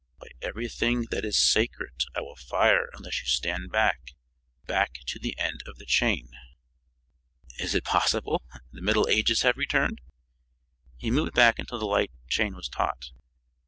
"By everything that is sacred, I will fire unless you stand back back to the end of the chain." "Is it possible? The Middle Ages have returned!" He moved back until the light chain was taut.